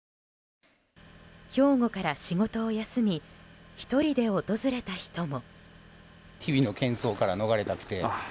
兵庫から、仕事を休み１人で訪れた人も。